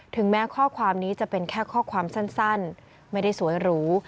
แม้ข้อความนี้จะเป็นแค่ข้อความสั้นไม่ได้สวยหรู